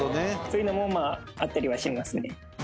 そういうのもまああったりはしますね